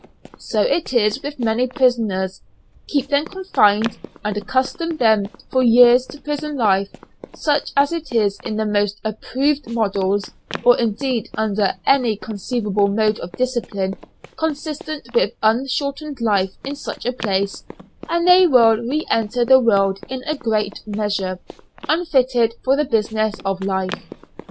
So it is with many prisoners, keep them confined, and accustom them for years to prison life, such as it is in the most approved "models," or indeed under any conceivable mode of discipline consistent with unshortened life in such a place, and they will re enter the world in a great measure, unfitted for the business of life.